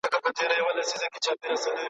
په تياره كوڅه كي بيرته خاموشي سوه .